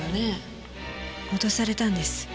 脅されたんです。